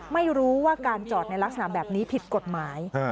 ไม่รู้ว่าการจอดในลักษณะแบบนี้ผิดกฎหมาย